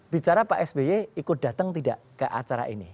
bicara pak sby ikut datang tidak ke acara ini